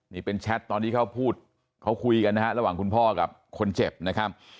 นี่เป็นแชทตอนที่เขาพูดเขาคุยกันนะฮะระหว่างคุณพ่อกับคนเจ็บนะครับ